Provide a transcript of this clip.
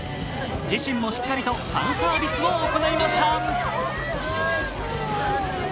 自身もしっかりとファンサービスを行いました。